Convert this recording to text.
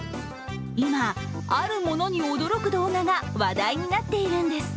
今、あるものに驚く動画が話題になっているんです。